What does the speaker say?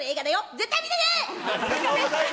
絶対見てね！